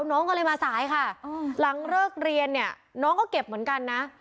น้องก็เลยมาสายค่ะหลังเลิกเรียนเนี่ยน้องก็เก็บเหมือนกันนะ